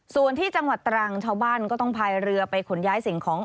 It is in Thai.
ส่วนที่จังหวัดตรังชาวบ้านก็ต้องพายเรือไปขนย้ายสิ่งของ